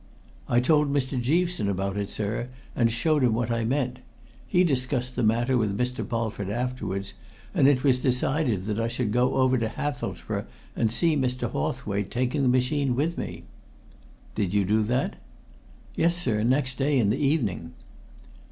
"I told Mr. Jeaveson about it, sir, and showed him what I meant. He discussed the matter with Mr. Polford afterwards, and it was decided that I should go over to Hathelsborough and see Mr. Hawthwaite, taking the machine with me." "Did you do that?" "Yes, sir, next day, in the evening."